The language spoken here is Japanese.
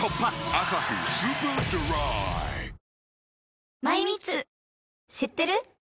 「アサヒスーパードライ」「Ｍｙｍｉｔｓ」知ってる？